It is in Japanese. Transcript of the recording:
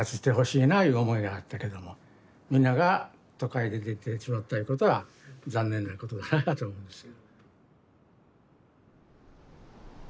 思いがあったけどもみんなが都会に出てしまったゆうことは残念なことかなと思います。